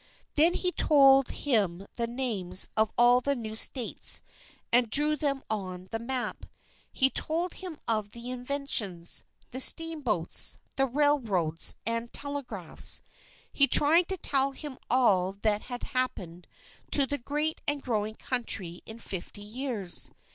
Then he told him the names of all the new states, and drew them in on the map. He told him of the inventions the steamboats, the railroads and telegraphs; he tried to tell him all that had happened to the great and growing country in fifty years.